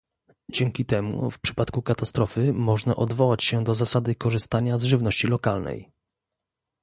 Dzięki temu w przypadku katastrofy można odwołać się do zasady korzystania z żywności lokalnej